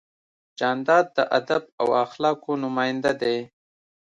جانداد د ادب او اخلاقو نماینده دی.